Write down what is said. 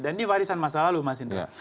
dan ini warisan masa lalu mas indra